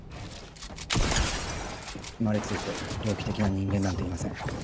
生まれついて猟奇的な人間なんていません。